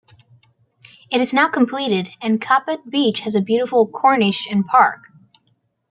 It is now completed and Kappad beach has a beautiful corniche and park.